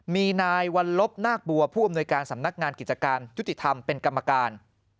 มีนายวัลลบนาคบัวผู้อำนวยการสำนักงานกิจการยุติธรรมเป็นกรรมการ